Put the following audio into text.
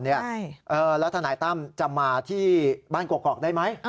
แล้วทนายตั้มจะมาที่บ้านกอกได้ไหม